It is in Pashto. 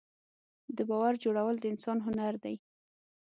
د باور جوړول د انسان هنر دی.